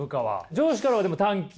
上司からはでも短気？